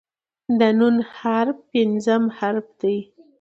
د "ث" حرف پنځم حرف دی.